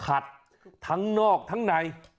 ขัดทั้งนอกทั้งใน